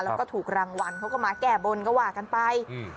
แล้วก็ถูกรางวัลเขาก็มาแก้บนก็ว่ากันไปอืม